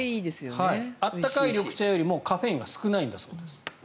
温かい緑茶よりもカフェインが少ないんだそうです。